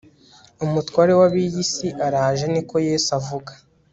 Umutware wabiyi si araje niko Yesu avuga